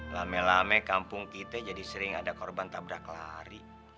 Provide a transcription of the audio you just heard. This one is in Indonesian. rame rame kampung kita jadi sering ada korban tabrak lari